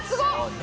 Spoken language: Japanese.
何？